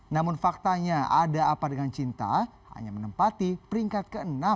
namun faktanya ada apa dengan cinta hanya menempati peringkat ke enam